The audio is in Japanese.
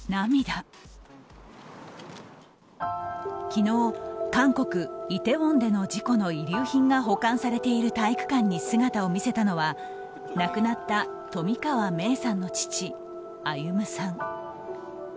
昨日、韓国イテウォンでの事故の遺留品が保管されている体育館に姿を見せたのは亡くなった冨川芽生さんの父歩さん。